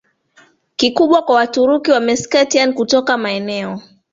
kikubwa kwa Waturuki wa Meskhetian kutoka maeneo